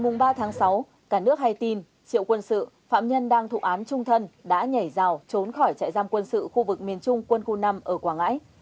ngày ba sáu cả nước hay tin triệu quân sự phạm nhân đang thụ án trung thân đã nhảy rào trốn khỏi trại giam quân sự khu vực miền trung quân khu năm ở quảng ngãi